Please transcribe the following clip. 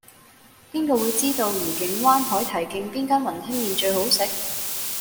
邊個會知道愉景灣海堤徑邊間雲吞麵最好食